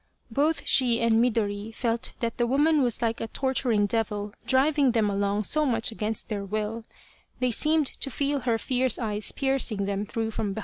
Both she and Midori felt that the woman was like a torturing devil driving them along so much against their will they seemed to feel her fierce eyes piercing them through from behind.